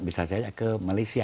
bisa saja ke malaysia